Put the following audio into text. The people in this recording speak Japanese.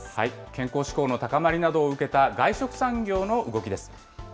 健康志向の高まりなどを受けた外食産業の動きです。